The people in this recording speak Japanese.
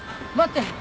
待って！